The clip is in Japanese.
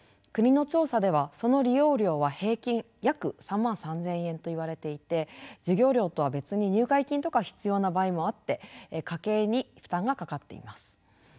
国の調査ではその利用料は平均約３３，０００円といわれていて授業料とは別に入会金とか必要な場合もあって家計に負担がかかっています。